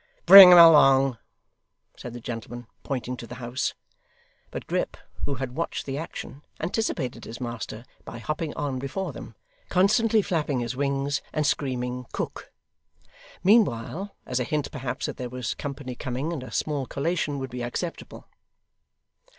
'Bring him along,' said the gentleman, pointing to the house. But Grip, who had watched the action, anticipated his master, by hopping on before them; constantly flapping his wings, and screaming 'cook!' meanwhile, as a hint perhaps that there was company coming, and a small collation would be acceptable.